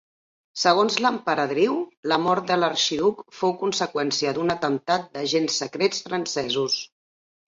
Segons l'emperadriu la mort de l'arxiduc fou conseqüència d'un atemptat d'agents secrets francesos.